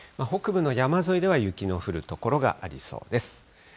北部の山沿いでは雪の降る所がありそうです。